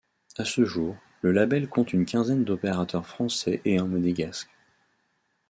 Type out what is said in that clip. A ce jour, le label compte une quinzaine d'opérateurs français et un monégasque.